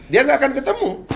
dia nggak akan ketemu